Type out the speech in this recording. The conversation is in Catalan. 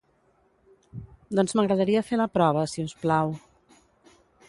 Doncs m'agradaria fer la prova, si us plau.